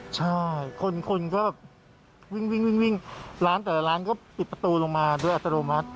ใช่คนคนก็วิ่งวิ่งร้านแต่ละร้านก็ปิดประตูลงมาด้วยอัตโนมัติ